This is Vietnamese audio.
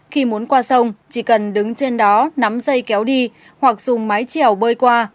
khi muốn qua sông chỉ cần đứng trên đó nắm dây kéo đi hoặc dùng máy trèo bơi qua